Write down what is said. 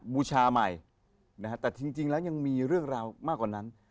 บูชาใหม่นะฮะแต่จริงแล้วยังมีเรื่องราวมากกว่านั้น